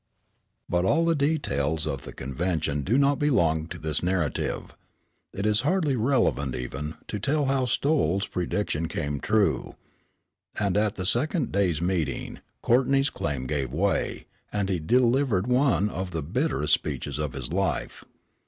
But all the details of the convention do not belong to this narrative. It is hardly relevant, even, to tell how Stowell's prediction came true, and at the second day's meeting Courtney's calm gave way, and he delivered one of the bitterest speeches of his life.